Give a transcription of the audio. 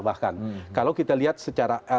bahkan kalau kita lihat secara